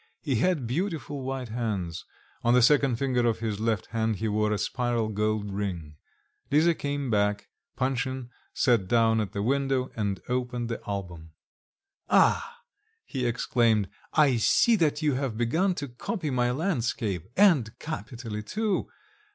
He had beautiful white hands; on the second finger of his left hand he wore a spiral gold ring. Lisa came back; Panshin sat down at the window, and opened the album. "Ah!" he exclaimed: "I see that you have begun to copy my landscape and capitally too.